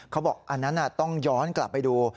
เขาบอกอันนั้นต้องย้อนกลับไปดู